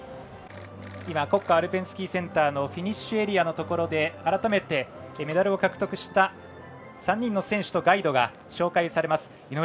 国家アルペンスキーセンターのフィニッシュエリアのところで改めて、メダルを獲得した３人の選手とガイドが紹介されます。